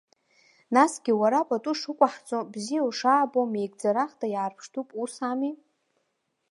Насгьы уара пату шуқәаҳҵо, бзиа ушаабо, меигӡарахда иаарԥштәуп, ус ами?